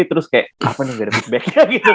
terus kayak apa nih nggak ada feedbacknya gitu